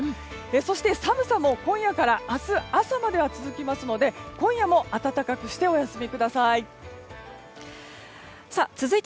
そして、寒さも今夜から明日朝までは続きますので今夜も暖かくしてお休みください。